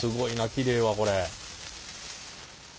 きれいわこれ。